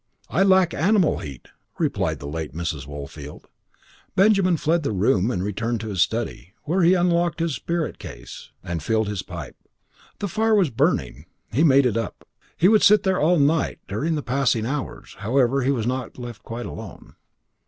"I lack animal heat," replied the late Mrs. Woolfield. Benjamin fled the room and returned to his study, where he unlocked his spirit case and filled his pipe. The fire was burning. He made it up. He would sit there all night During the passing hours, however, he was not left quite alone.